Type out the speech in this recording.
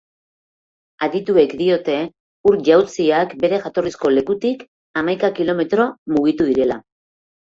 Adituek diote ur-jauziak bere jatorrizko lekutik hamaika kilometro mugitu direla.